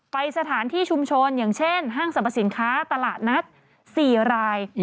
ไปสถานที่ชุมชนอย่างเช่นห้างสรรพสินค้าตลาดนัด๔ราย